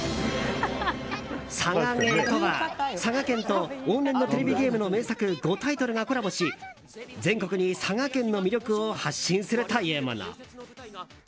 「佐賀ゲー」とは、佐賀県と往年のテレビゲームの名作５タイトルがコラボし全国に佐賀県の魅力を発信するというもの。